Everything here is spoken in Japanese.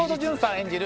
演じる